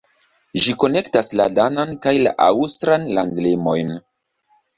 Ĝi konektas la danan kaj la aŭstran landlimojn.